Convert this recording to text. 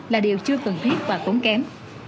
là điều chưa cần thiết và cũng kém